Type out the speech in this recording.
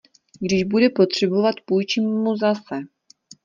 Když bude potřebovat, půjčím mu zase.